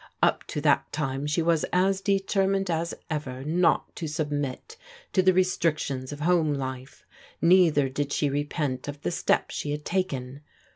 Up to that time she was as determined as ever not to submit to the restrictions of home life, neither did she repent of the step she had taken.